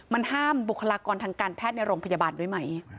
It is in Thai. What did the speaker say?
มันห้ามบุคลากรทางการแพทย์ในโรงพยาบาลด้วยไหม